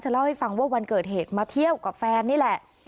เล่าให้ฟังว่าวันเกิดเหตุมาเที่ยวกับแฟนนี่แหละ